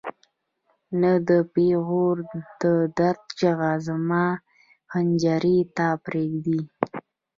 نه د پېغور د درد چیغه زما حنجرې ته پرېږدي.